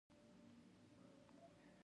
اوس دا خزانه د افغانستان ویاړ دی